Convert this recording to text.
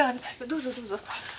どうぞどうぞ。